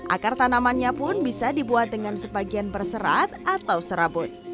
akar tanamannya pun bisa dibuat dengan sebagian berserat atau serabut